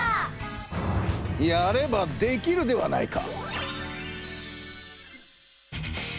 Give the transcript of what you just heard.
やればできるではないか！